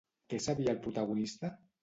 Què sabia el protagonista?